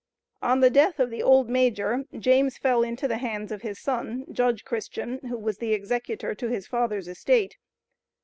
On the death of the old Major, James fell into the hands of his son, Judge Christian, who was executor to his father's estate.